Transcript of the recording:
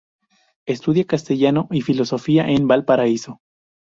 Estudia Castellano y Filosofía en Valparaíso.